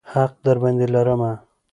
حق درباندې لرمه.